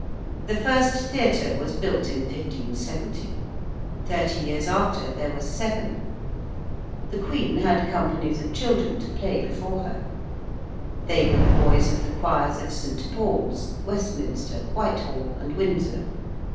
The first theatre was built in 1570. Thirty years after there were seven. The Queen had companies of children to play before her. They were the boys of the choirs of St. Paul's, Westminster, Whitehall, and Windsor.